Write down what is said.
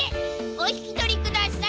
おひきとりください！